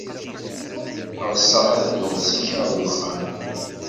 Ass-a, ɣseɣ ad dduɣ zik ɣer uxxam.